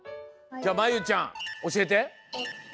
じゃあまゆうちゃんおしえて！